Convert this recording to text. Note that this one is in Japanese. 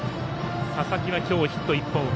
佐々木はきょうヒット１本。